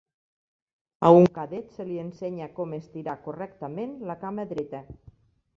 A un cadet se li ensenya com estirar correctament la cama dreta.